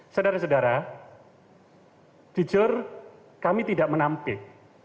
sedara sedara jujur kami tidak menampil